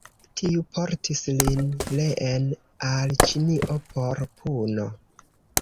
Tiu portis lin reen al Ĉinio por puno.